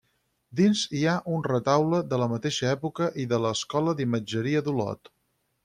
Dins hi ha un retaule de la mateixa època i de l'escola d'imatgeria d'Olot.